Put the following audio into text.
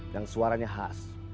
yang suaranya khas